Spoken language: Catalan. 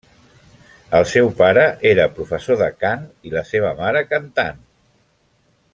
El seu pare era professor de cant i la seva mare cantant.